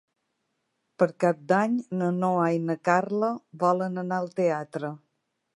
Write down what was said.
Per Cap d'Any na Noa i na Carla volen anar al teatre.